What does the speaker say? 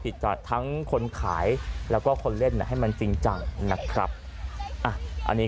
จากทั้งคนขายแล้วก็คนเล่นให้มันจริงจังนะครับอันนี้